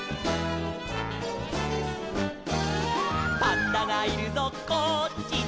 「パンダがいるぞこっちだ」